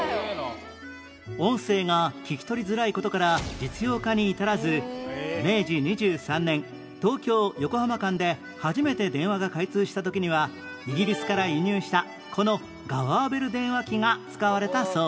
音声が聞き取りづらい事から実用化に至らず明治２３年東京横浜間で初めて電話が開通した時にはイギリスから輸入したこのガワーベル電話機が使われたそう